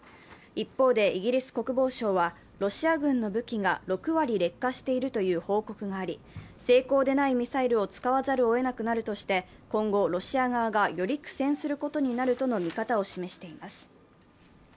一方でイギリス国防省はロシア軍の武器が６割劣化しているという報告があり精巧でないミサイルを使わざるをえなくなるとして、今後ロシア側がより苦戦することになるとの見方を示しています。